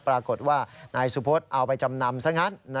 ปรากฏว่านายสุพธเอาไปจำนำซะงั้น